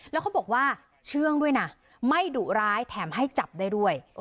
แล้วเขาบอกว่าเชื่องด้วยนะไม่ดุร้ายแถมให้จับได้ด้วย